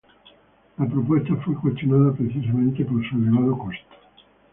La propuesta fue cuestionada precisamente por su elevado costo.